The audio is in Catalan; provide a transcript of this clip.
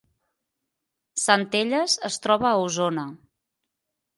Centelles es troba a Osona